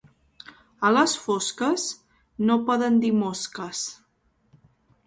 A les fosques, no poden dir mosques.